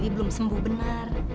belum sembuh benar